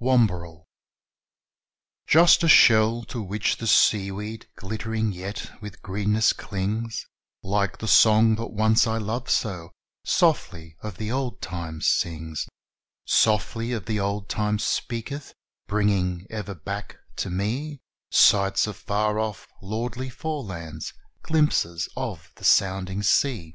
Wamberal Just a shell, to which the seaweed glittering yet with greenness clings, Like the song that once I loved so, softly of the old time sings Softly of the old time speaketh bringing ever back to me Sights of far off lordly forelands glimpses of the sounding sea!